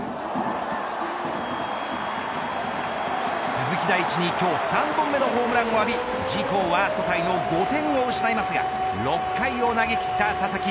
鈴木大地に今日３本目のホームランを浴び事故ワーストタイの５点を失いますが６回を投げきった佐々木。